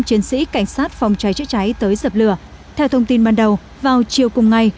chiến sĩ cảnh sát phòng cháy chữa cháy tới dập lửa theo thông tin ban đầu vào chiều cùng ngày